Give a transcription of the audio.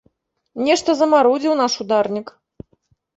Нешта замарудзіў наш ударнік.